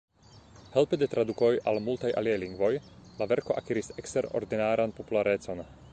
Helpe de tradukoj al multaj aliaj lingvoj, la verko akiris eksterordinaran popularecon.